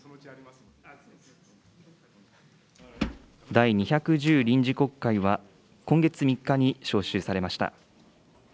第２１０臨時国会は今月３日に召集されました。